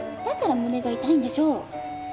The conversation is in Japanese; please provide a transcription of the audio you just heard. だから胸が痛いんでしょ。